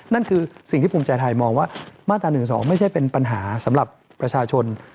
นั่นคือสิ่งที่ภูมิใจไทยมองว่ามาตรา๑๒ไม่ใช่เป็นปัญหาสำหรับประชาชน